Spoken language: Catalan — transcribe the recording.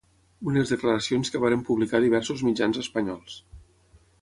Unes declaracions que varen publicar diversos mitjans espanyols.